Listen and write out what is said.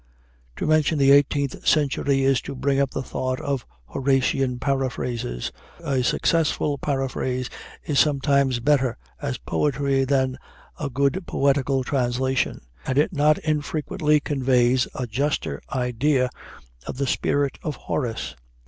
To mention the eighteenth century is to bring up the thought of Horatian paraphrases. A successful paraphrase is sometimes better as poetry than a good poetical translation, and it not infrequently conveys a juster idea of the spirit of Horace.